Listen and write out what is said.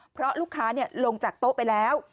เพราะลูกค้าลงจากโต๊ะไปแล้ว